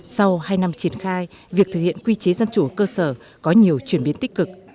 sau hai năm triển khai việc thực hiện quy chế dân chủ cơ sở có nhiều chuyển biến tích cực